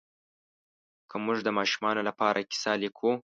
که موږ د ماشومانو لپاره کیسه لیکو